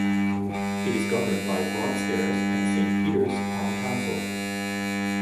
It is governed by Broadstairs and Saint Peter's Town Council.